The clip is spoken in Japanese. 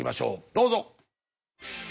どうぞ！